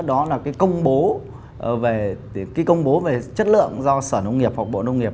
đó là cái công bố về chất lượng do sở nông nghiệp hoặc bộ nông nghiệp